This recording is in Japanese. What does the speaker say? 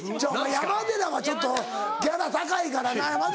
山寺はちょっとギャラ高いからな。